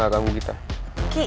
kamu kan kan keren sih